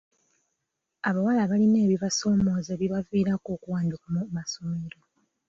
Abawala balina ebibasoomooza ebibaviirako okuwanduka mu masomero.